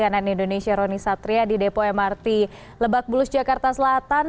cnn indonesia roni satria di depo mrt lebak bulus jakarta selatan